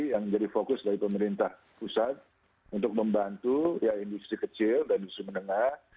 yang jadi fokus dari pemerintah pusat untuk membantu industri kecil dan industri menengah